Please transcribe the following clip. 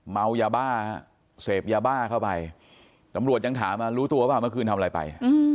เมายาบ้าเสพยาบ้าเข้าไปตำรวจยังถามรู้ตัวว่าเมื่อคืนทำอะไรไป